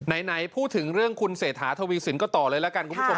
ไหนพูดถึงเรื่องคุณเศรษฐาทวีสินก็ต่อเลยละกันคุณผู้ชม